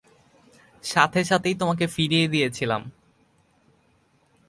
সাথে সাথেই তোমাকে ফিরিয়ে দিয়েছিলাম।